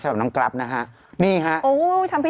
สำหรับน้องกรัฟนะครับ